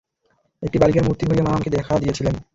একটি বালিকার মূর্তি ধরিয়া মা আমাকে দেখা দিয়াছিলেন।